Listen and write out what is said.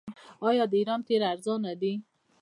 آیا د ایران تیل ارزانه دي؟